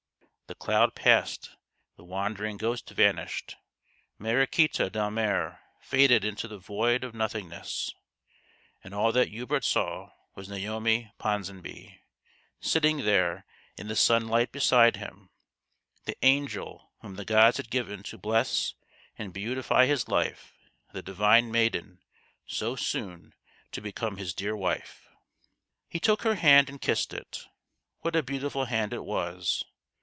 The cloud passed the wandering ghost vanished. Mariquita Delmare faded into the void of nothingness; and all that Hubert saw was Naomi Ponsonby sitting there in the sunlight beside him the angel whom the gods had given to bless and beautify his life the divine maiden so soon to become his dear wife ! He took her hand and kissed it. What a beautiful hand it was